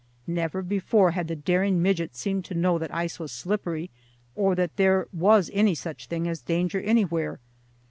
Never before had the daring midget seemed to know that ice was slippery or that there was any such thing as danger anywhere.